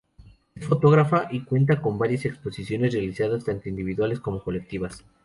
Es fotógrafa y cuenta con varias exposiciones realizadas tanto individuales como colectivas.